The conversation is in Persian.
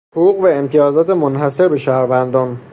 حقوق و امتیازات منحصر به شهروندان